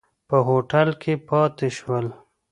په هوټل کې پاتې شول.